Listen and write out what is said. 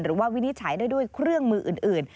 วินิจฉัยได้ด้วยเครื่องมืออื่น